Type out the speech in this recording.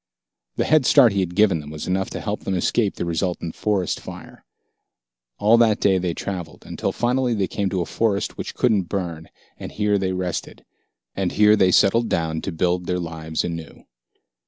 The head start he had given them was enough to help them escape the resultant forest fire. All that day they traveled, until finally they came to a forest which couldn't burn, and here they rested. And here they settled down to build their lives anew.